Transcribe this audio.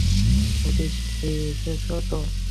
সতীশ, খেয়ে এসেছ তো?